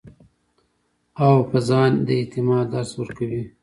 او پۀ ځان د اعتماد درس ورکوي -